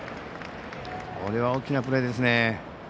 これは大きなプレーですね。